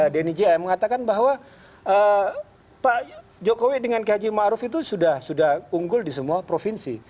dnijm mengatakan bahwa pak jokowi dengan keji ma'ruf itu sudah unggul di semua provinsi